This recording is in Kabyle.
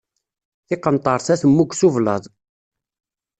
Tiqenṭert-a temmug s ublaḍ.